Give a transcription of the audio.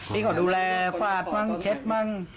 ที่เขาดูแลฝาดมั่งเช็ดมั่ง